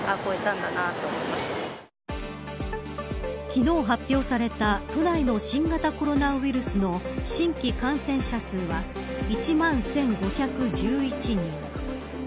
昨日、発表された都内の新型コロナウイルスの新規感染者数は１万１５１１人。